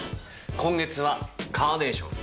今月はカーネーション。